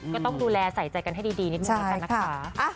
ก็ต้องดูแลใส่ใจกันให้ดีนิดนึงแล้วกันนะคะ